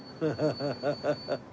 ハハハハ。